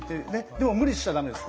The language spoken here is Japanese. でも無理しちゃダメです